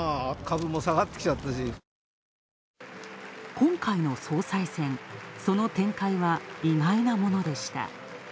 今回の総裁選、その展開は意外なものでした。